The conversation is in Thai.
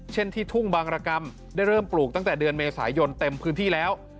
ที่ทุ่งบางรกรรมได้เริ่มปลูกตั้งแต่เดือนเมษายนเต็มพื้นที่แล้ว